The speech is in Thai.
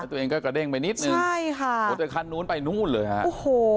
ตัวเองก็กระเด้งไปนิดนึงใช่ค่ะมดแต่คันนู้นไปนู่นเลยฮะโอ้โห